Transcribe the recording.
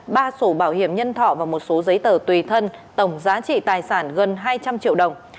ba sổ bảo hiểm nhân thọ và một số giấy tờ tùy thân tổng giá trị tài sản gần hai trăm linh triệu đồng